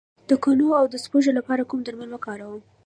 د کنو او سپږو لپاره کوم درمل وکاروم؟